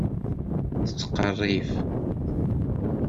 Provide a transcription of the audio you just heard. Tettqerrib.